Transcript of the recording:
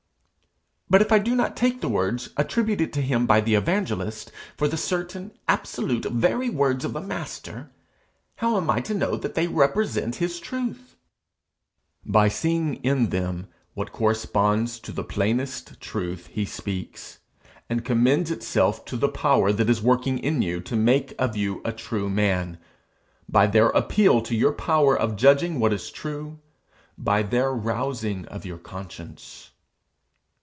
'But if I do not take the words attributed to him by the evangelists, for the certain, absolute, very words of the Master, how am I to know that they represent his truth?' By seeing in them what corresponds to the plainest truth he speaks, and commends itself to the power that is working in you to make of you a true man; by their appeal to your power of judging what is true; by their rousing of your conscience.